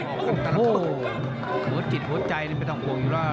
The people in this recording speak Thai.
โห้หัวจิตหัวใจนี่ไม่ต้องกลัวอยู่แล้ว